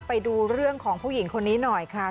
ไปดูเรื่องของผู้หญิงคนนี้หน่อยค่ะ